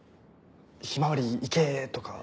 「ひまわりいけ！」とか